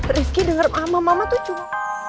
rizky dengar mama mama tuh cuma